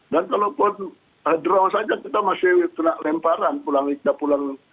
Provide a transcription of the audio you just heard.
dan kalau pun draw saja kita masih lemparan pulang pulang